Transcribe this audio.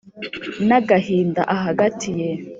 N'agahinda ahagatiye